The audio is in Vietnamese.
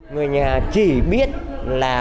người nhà chỉ biết là